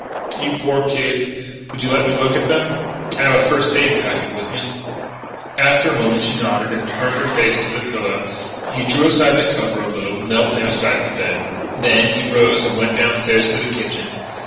"You poor kid!... Would you let me look at them? I have a first aid packet with me." After a moment she nodded and turned her face on the pillow. He drew aside the cover a little, knelt down beside the bed. Then he rose and went downstairs to the kitchen.